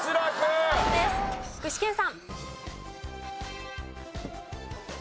具志堅さん。